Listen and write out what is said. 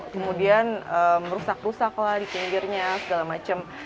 kemudian merusak rusak lah di pinggirnya segala macam